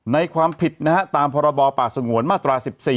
ความผิดนะฮะตามพรบป่าสงวนมาตรา๑๔